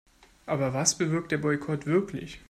Aber was bewirkt der Boykott wirklich?